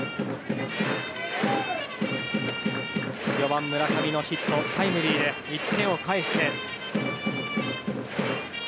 ４番、村上のヒットタイムリーで１点を返して。